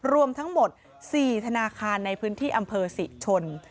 รวมทั้งหมด๔ธนาคารในพื้นที่อำเภอศรีชน